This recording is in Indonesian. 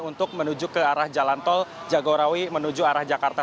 untuk menuju ke arah jalan tol jagorawi menuju arah jakarta